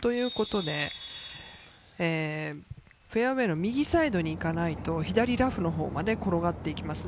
ということで、フェアウエーの右サイドに行かないと左ラフのほうまで転がっていきます。